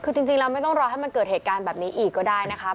คือจริงแล้วไม่ต้องรอให้มันเกิดเหตุการณ์แบบนี้อีกก็ได้นะครับ